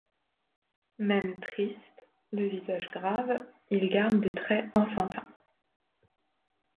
Même triste, le visage grave, il garde des traits enfantins.